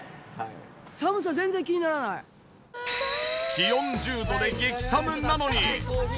気温１０度で激寒なのに。